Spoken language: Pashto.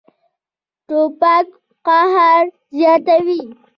توپک قهر زیاتوي.